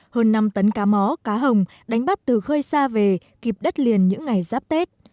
hơn năm tấn cá mó cá hồng đánh bắt từ khơi xa về kịp đất liền những ngày giáp tết